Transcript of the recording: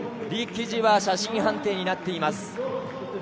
リ・キジは写真判定になっています。